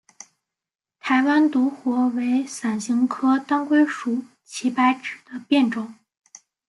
台湾独活为伞形科当归属祁白芷的变种。